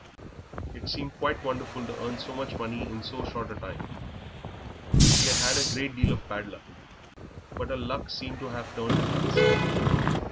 It seemed quite wonderful to earn so much money in so short a time. She had had a great deal of bad luck, but her luck seemed to have turned at last.